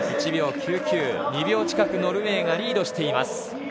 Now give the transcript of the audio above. ２秒近くノルウェーがリードしています。